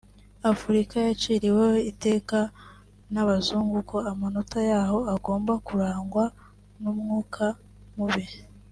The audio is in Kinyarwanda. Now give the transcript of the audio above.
Afurika yaciriweho iteka n’abazungu ko amatora yaho agomba kurangwa n’umwuka mubi